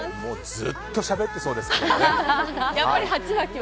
ずっとしゃべってそうですね。